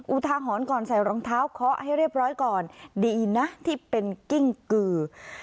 อุทาหรณ์ก่อนใส่รองเท้าเคาะให้เรียบร้อยก่อนดีนะที่เป็นกิ้งกือ